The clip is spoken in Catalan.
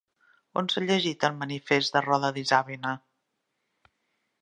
On s'ha llegit el Manifest de Roda d'Isàvena?